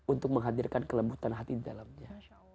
untuk menghadirkan kelembutan hati di dalamnya